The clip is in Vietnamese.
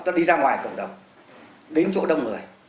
ta đi ra ngoài cộng đồng đến chỗ đông người